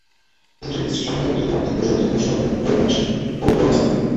ইন্দ্রিয়ের কৃচ্ছ্রসাধনার মধ্য দিয়ে আত্মিক পরিশুদ্ধি অনুশীলনের সুযোগ নিয়ে আসে পবিত্র রমজান।